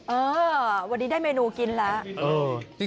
เออวันนี้ได้เมนูกินแล้ว